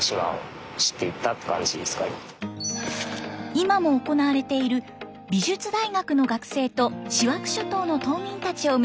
今も行われている美術大学の学生と塩飽諸島の島民たちを結ぶプロジェクト。